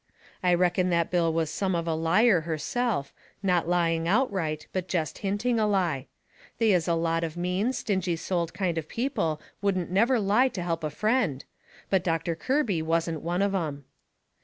I reckon that bill was some of a liar herself, not lying outright, but jest hinting a lie. They is a lot of mean, stingy souled kind of people wouldn't never lie to help a friend, but Doctor Kirby wasn't one of 'em.